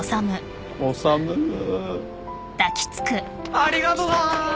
ありがとな！